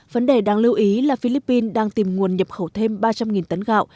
vấn đề đáng lưu ý là philippines đang tìm nguồn nhập khẩu thêm ba trăm linh tấn gạo